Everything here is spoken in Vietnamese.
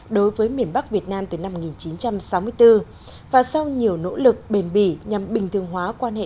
đối với miền bắc việt nam từ năm một nghìn chín trăm sáu mươi bốn và sau nhiều nỗ lực bền bỉ nhằm bình thường hóa quan hệ